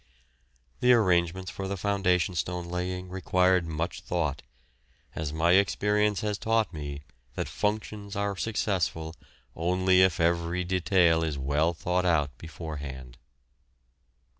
The arrangements for the foundation stone laying required much thought, as my experience has taught me that "functions" are successful only if every detail is well thought out beforehand.